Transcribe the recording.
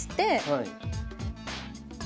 はい。